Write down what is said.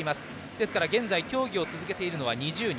ですから、現在競技を続けているのは２０人。